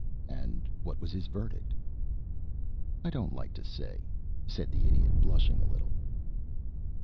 "And what was his verdict?" "I don't like to say," said the Idiot, blushing a little.